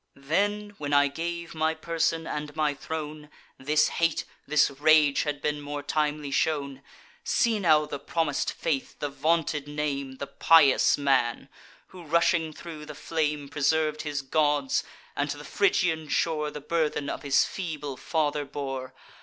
Then, when I gave my person and my throne, This hate, this rage, had been more timely shown. See now the promis'd faith, the vaunted name, The pious man, who, rushing thro' the flame, Preserv'd his gods, and to the Phrygian shore The burthen of his feeble father bore!